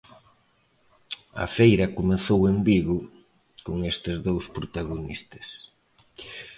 A feira comezou en Vigo con estes dous protagonistas.